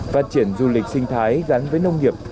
câu chuyện du lịch sinh thái gắn với nông nghiệp